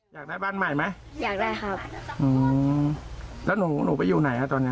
อยากได้บ้านใหม่ไหมอยากได้ครับอืมแล้วหนูหนูไปอยู่ไหนฮะตอนเนี้ย